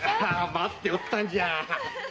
待っておったんじゃ。